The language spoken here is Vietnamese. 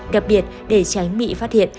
đặc biệt để tránh bị phát hiện